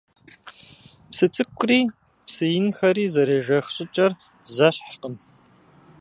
Псы цӀыкӀури псы инхэри зэрежэх щӀыкӀэр зэщхькъым.